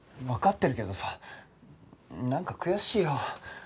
わかってるけどさなんか悔しいよ。